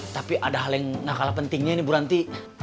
tapi ada hal yang gak kalah pentingnya nih buranti